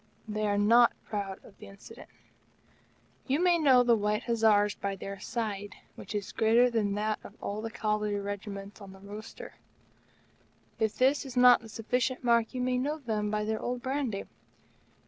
They are not proud of the incident. You may know the White Hussars by their "side," which is greater than that of all the Cavalry Regiments on the roster. If this is not a sufficient mark, you may know them by their old brandy.